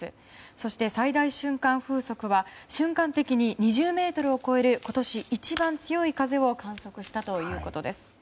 そして、最大瞬間風速は瞬間的に２０メートルを超える今年一番強い風を観測したということです。